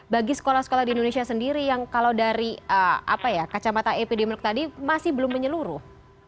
bagi sekolah sekolah di indonesia sendiri yang kalau dari kacamata epidemiolog tadi masih belum menyeluruh